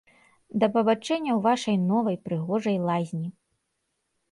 Да пабачэння ў вашай новай, прыгожай лазні.